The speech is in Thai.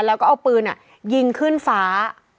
แล้วก็เอาปืนยิงขึ้นฟ้า